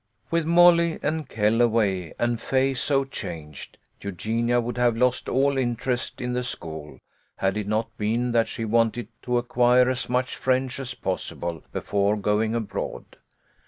With Molly and Kell away, and Fay so changed, Eugenia would have lost all interest in the school, had it not been that she wanted to acquire as much French as possible before going abroad.